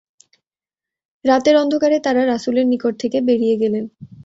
রাতের অন্ধকারে তাঁরা রাসূলের নিকট থেকে বেরিয়ে গেলেন।